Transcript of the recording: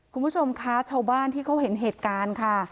คุณผู้ชมคะชาวบ้านที่เขาเห็นเหตุการณ์ค่ะ